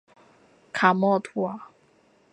卡默图尔。